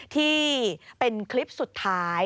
ที่เป็นคลิปสุดท้าย